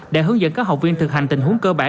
để hướng dẫn các học viên thực hành tình huống cơ bản